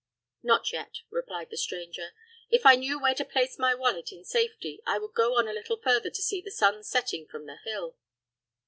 "Not yet," replied the stranger; "if I knew where to place my wallet in safety, I would go on a little further to see the sun setting from the hill."